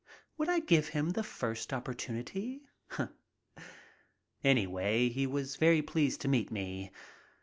Would I give him the first oppor tunity? Anyway, he was very pleased to meet me.